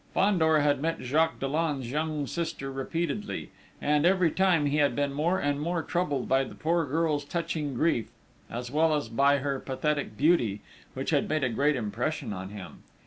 Fandor had met Jacques Dollon's young sister repeatedly; and, every time, he had been more and more troubled by the poor girl's touching grief, as well as by her pathetic beauty, which had made a great impression on him....